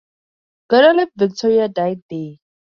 Guadalupe Victoria died there.